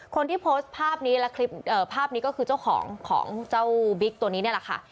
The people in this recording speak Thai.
คนที่โพสต์ภาพนี้และคลิปภาพนี้ก็คือเจ้าของของเจ้าบิ๊กตัวนี้นี่แหละค่ะ